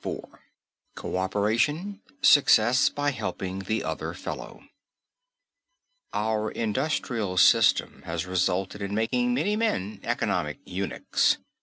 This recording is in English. IV COÖPERATION SUCCESS BY HELPING THE OTHER FELLOW Our industrial system has resulted in making many men economic eunuchs.